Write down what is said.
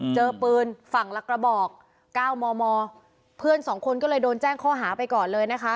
เจอปืนฝั่งละกระบอกเก้ามอมอเพื่อนสองคนก็เลยโดนแจ้งข้อหาไปก่อนเลยนะคะ